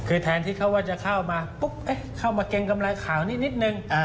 คือแทนที่เขาว่าจะเข้ามาปุ๊บเข้ามาเกรงกำไรข่าวนี้นิดนึง